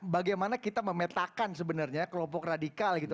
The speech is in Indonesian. bagaimana kita memetakan sebenarnya kelompok radikal gitu